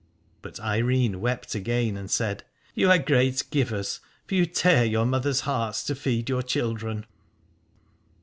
But Eirene wept again and said : You are great givers, for you tear your mothers' hearts to feed your children.